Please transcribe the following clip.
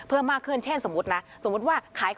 โอ้วกูชอบทำบุญด้วย